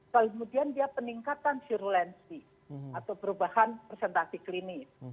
lalu kemudian dia peningkatan sirulensi atau perubahan presentasi klinis